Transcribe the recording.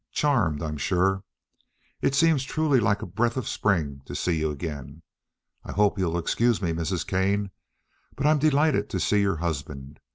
Charmed, I'm sure. It seems truly like a breath of spring to see you again. I hope you'll excuse me, Mrs. Kane, but I'm delighted to see your husband.